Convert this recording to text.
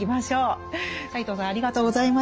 斎藤さんありがとうございました。